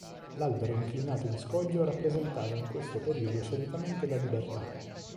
L'albero inclinato in scoglio rappresentava in questo periodo solitamente la Libertà.